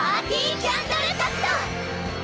キャンドルタクト！